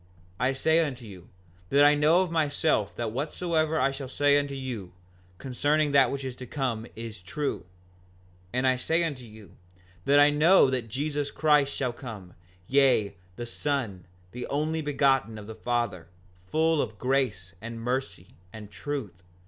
5:48 I say unto you, that I know of myself that whatsoever I shall say unto you, concerning that which is to come, is true; and I say unto you, that I know that Jesus Christ shall come, yea, the Son, the Only Begotten of the Father, full of grace, and mercy, and truth.